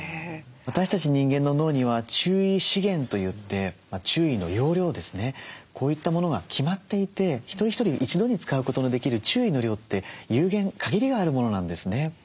私たち人間の脳には注意資源といって注意の容量ですねこういったものが決まっていて一人一人一度に使うことのできる注意の量って有限限りがあるものなんですね。